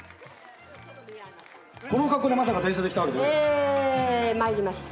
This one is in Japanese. この格好でまさか電車で来たわけじゃない？え参りました。